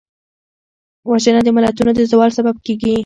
وژنه د ملتونو د زوال سبب کېږي